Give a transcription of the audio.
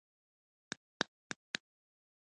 شیرجان تېرې ولي ګولۍ.